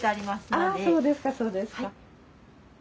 あそうですかそうですか。